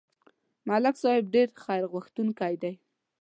ملک صاحب ډېر خیرغوښتونکی دی.